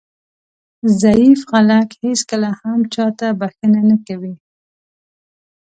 ضعیف خلک هېڅکله هم چاته بښنه نه کوي.